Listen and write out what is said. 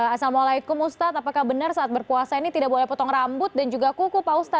assalamualaikum ustadz apakah benar saat berpuasa ini tidak boleh potong rambut dan juga kuku pak ustadz